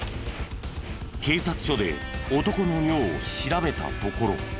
警察署で男の尿を調べたところ。